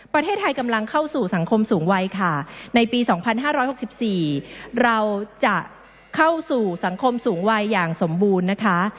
ประเทศไทยกำลังเข้าสู่สังคมสูงวัยค่ะในปี๒๕๖๔เราจะเข้าสู่สังคมสูงวัยอย่างสมบูรณ์นะคะ